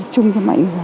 chung cho mọi người